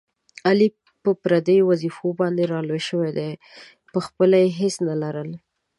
علي په پردیو وظېفو باندې را لوی شو، په خپله یې هېڅ نه لرل.